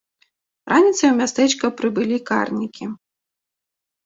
Раніцай у мястэчка прыбылі карнікі.